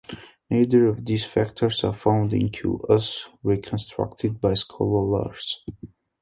Neither of these factors are found in Q, as reconstructed by scholars.